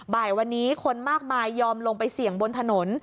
บ่ายวันนี้คนมากมายยอมลงไปเสี่ยงบนถนน